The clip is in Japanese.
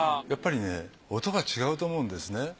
やっぱりね音が違うと思うんですね。